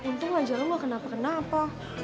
aduh untung aja lo gak kenapa kenapa